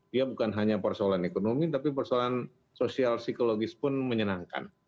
dia bukan hanya persoalan ekonomi tapi persoalan sosial psikologis pun menyenangkan